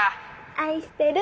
愛してる。